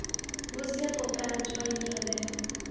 Monsieur Popain joined her there.